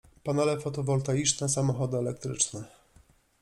Panele fotowoltaiczne, samochody elektryczne.